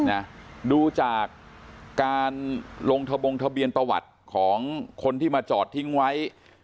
นะดูจากการลงทะบงทะเบียนประวัติของคนที่มาจอดทิ้งไว้